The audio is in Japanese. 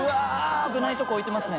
危ないとこ置いてますね。